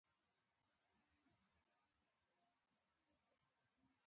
سختو طالبانو سره فکري ملګرتیا لري.